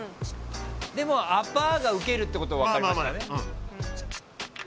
でも、アパーがウケるってことは分かりましたね。